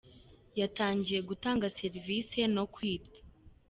yatangiye gutanga serivisi no kwita.